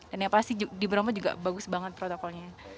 dan yang pasti di bromo juga bagus banget protokolnya